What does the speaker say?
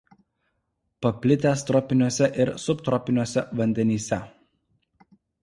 Paplitęs tropiniuose ir subtropiniuose vandenyse.